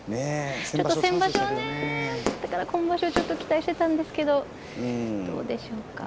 先場所ねだから今場所ちょっと期待していたんですけれどもどうでしょうか。